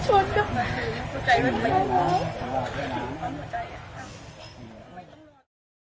ก็ใจไม่มี